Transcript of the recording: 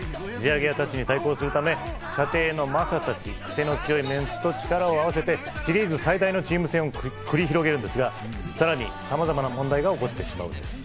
地上げ屋たちに対抗するため舎弟の雅たち、くせの強いメンツと力を合わせて、シリーズ最大のチーム戦を繰り広げるんですが、さまざまな問題が起こってしまうという。